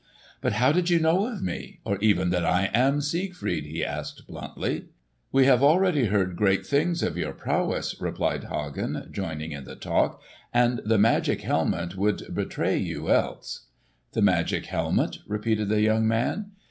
"But how did you know of me, or even that I am Siegfried?" he asked bluntly. "We have already heard great things of your prowess," replied Hagen joining in the talk; "and the magic helmet would betray you, else." "The magic helmet?" repeated the young man.